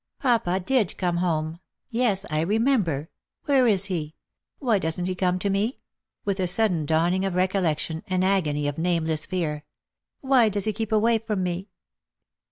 "Papa did come home; yes, I remember. Where is he ? Why doesn't he come to me ?" with a sudden dawning of recollection, an agony of nameless fear. " Why does he keep away from me